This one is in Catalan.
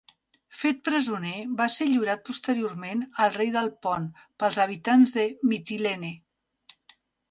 Fet presoner, va ser lliurat posteriorment al rei del Pont pels habitants de Mitilene.